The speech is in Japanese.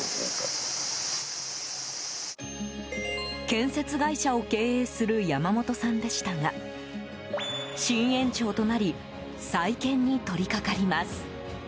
建設会社を経営する山本さんでしたが新園長となり再建に取りかかります。